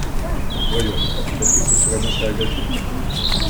Voyons, est-ce qu’il se serait montré agressif ?